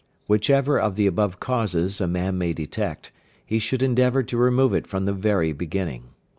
Whichever of the above causes a man may detect, he should endeavour to remove it from the very beginning.